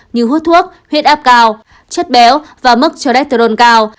như huyết áp cao chất béo và mức cholesterol cao